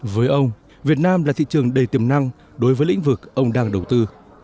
với ông việt nam là thị trường đầy tiềm năng đối với lĩnh vực ông đang đầu tư